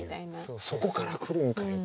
そこから来るんかよみたいな。